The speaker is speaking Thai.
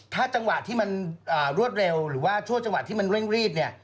ถ้าจังหวะที่มันรวดเร็วหรือว่าชั่วจังหวะที่มันเร่งรีบเนี่ย